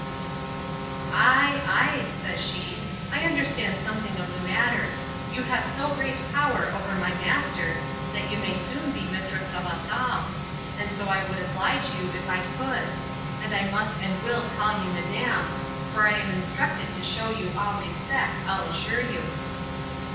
Ay, ay, says she, I understand something of the matter; you have so great power over my master, that you may soon be mistress of us all; and so I would oblige you, if I could. And I must and will call you madam; for I am instructed to shew you all respect, I'll assure you.